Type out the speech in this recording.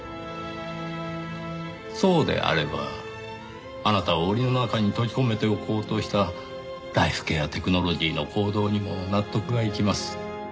そうであればあなたを檻の中に閉じ込めておこうとしたライフケアテクノロジーの行動にも納得がいきます。